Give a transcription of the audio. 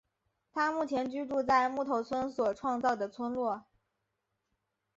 他目前居住在木头村所创造的村落。